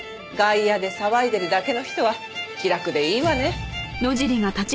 外野で騒いでるだけの人は気楽でいいわね。